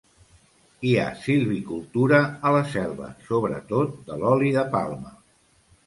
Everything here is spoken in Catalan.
Hi ha silvicultura a la selva, sobretot de l'oli de palma.